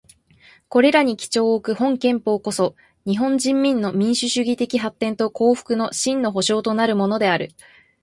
これらに基調をおく本憲法こそ、日本人民の民主主義的発展と幸福の真の保障となるものである。